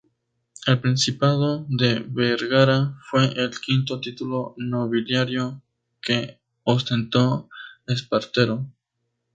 El Principado de Vergara fue el quinto título nobiliario que ostentó Espartero.